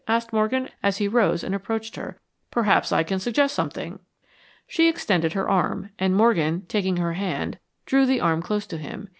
asked Morgan, as he rose and approached her. "Perhaps I can suggest something." She extended her arm, and Morgan, taking her hand, drew the arm close to him.